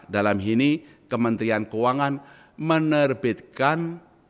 dalam ini kementerian keuangan menerbitkan